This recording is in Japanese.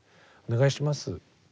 お願いします。